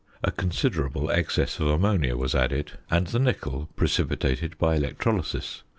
a considerable excess of ammonia was added, and the nickel precipitated by electrolysis.